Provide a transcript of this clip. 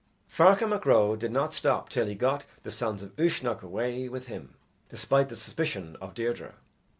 Ferchar Mac Ro did not stop till he got the sons of Uisnech away with him, despite the suspicion of Deirdre.